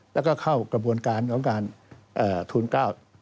แล้วก็เข้ากระบวนการของการทูล๙